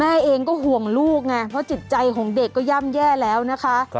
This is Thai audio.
แม่เองก็ห่วงลูกไงเพราะจิตใจของเด็กก็ย่ำแย่แล้วนะคะ